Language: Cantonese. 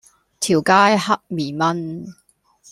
條街黑咪蚊